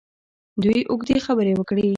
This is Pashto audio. دوی اوږدې خبرې وکړې.